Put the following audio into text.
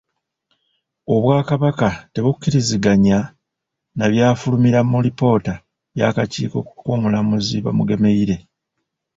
Obwakabaka tebukkiriziganya na byafulumira mu lipoota y’akakiiko k’omulamuzi Bamugemereire.